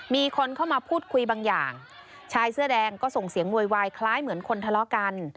มีคนเข้ามาพูดคุยบางอย่างชายเสื้อแดงก็ส่งเสียงโวยวายคล้ายเหมือนคนทะเลาะกัน